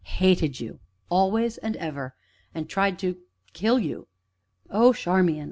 hated you! always and ever! and tried to kill you " "Oh, Charmian!